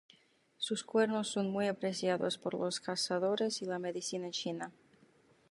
Sus cuernos son muy apreciados por los cazadores y la medicina china.